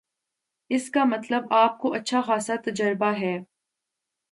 اس کا مطلب آپ کو اچھا خاصا تجربہ ہے